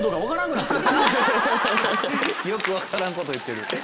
よく分からんこと言ってる。